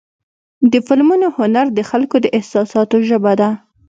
د فلمونو هنر د خلکو د احساساتو ژبه ده.